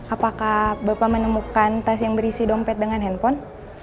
apakah bapak menemukan tas yang berisi dompet dengan handphone